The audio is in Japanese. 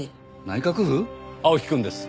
青木くんです。